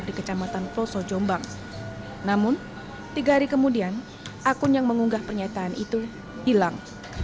di kecamatan peloso jombang namun tiga hari kemudian akun yang mengunggah pernyataan itu hilang